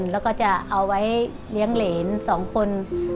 แล้วก็จะเอาไว้เลี้ยงเหรน๒คน